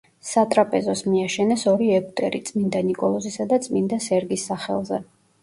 სატრაპეზოს მიაშენეს ორი ეგვტერი: წმინდა ნიკოლოზისა და წმინდა სერგის სახელზე.